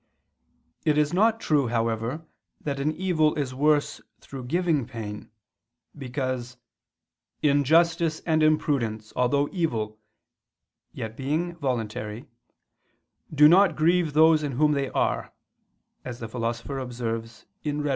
It is not true, however, that an evil is worse through giving pain: because "injustice and imprudence, although evil," yet, being voluntary, "do not grieve those in whom they are," as the Philosopher observes (Rhet.